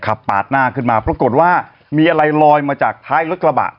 ปาดหน้าขึ้นมาปรากฏว่ามีอะไรลอยมาจากท้ายรถกระบะ